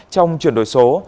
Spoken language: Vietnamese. trong chuyển đổi số